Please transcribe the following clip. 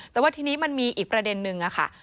แต่ว่าทีนี้มันมีอีกประเด็นนึงค่ะ